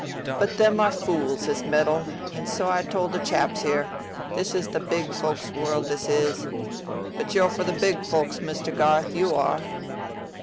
But them are fools as meddle, and so I told the chaps here. This is the big folks's world, this is. But yo're for the big folks, Muster Garth, yo are."